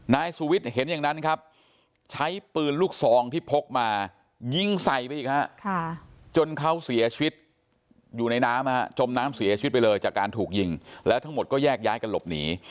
นายสุวิทย์เห็นอย่างนั้นครับใช้ปืนลูกซองที่พกมายิงใส่ไปอีกฮะจนเขาเสียชีวิตอยู่ในน้ำจมน้ำเสียชีวิตไปเลยจากการถูกยิงแล้วทั้งหมดก็แยกย้ายกันหลบหนี